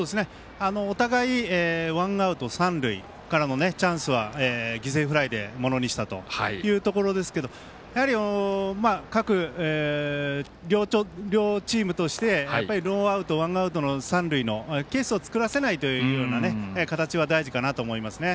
お互いにワンアウト三塁からのチャンスは犠牲フライでものにしたというところですけど両チームとしてノーアウト、ランナーというケースを作らせないという形は大事かなと思います。